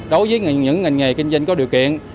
đối với những nghề kinh doanh có điều kiện